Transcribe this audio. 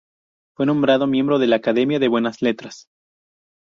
Fue nombrado miembro de la Academia de Buenas Letras.